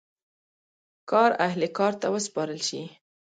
کار اهل کار ته وسپارل شي.